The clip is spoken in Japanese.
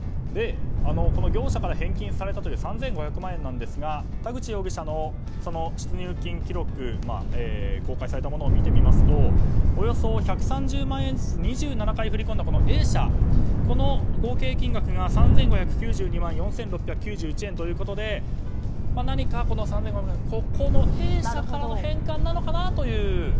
この業者から返金された３５００万円ですが田口容疑者の出入金記録公開されたものを見るとおよそ１３０万円ずつ２７回、振り込んだＡ社の合計金額が３５９２万４６９１円ということでこのＡ社からの返還なのかなと。